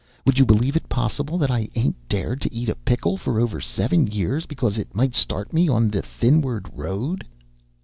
Would you believe it possible that I ain't dared to eat a pickle for over seven years, because it might start me on the thinward road?"